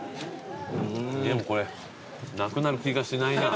でもこれなくなる気がしないな。